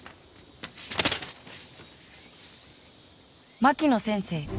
「槙野先生